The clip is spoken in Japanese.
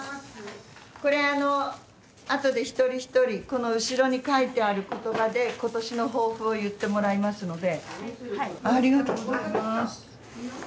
これ後で一人一人この後ろに書いてある言葉で今年の抱負を言ってもらいますので。